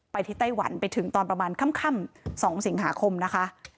ที่ไต้หวันไปถึงตอนประมาณค่ำ๒สิงหาคมนะคะ